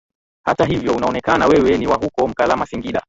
Hata hivyo unaonekana Wewe ni wa huko Mkalama Singida